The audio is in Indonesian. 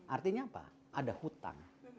artinya apa ada hutang